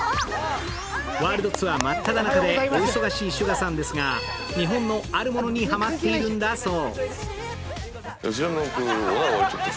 ワールドツアー真っただ中でお忙しいＳＵＧＡさんですが日本のあるものにハマっているんだそう。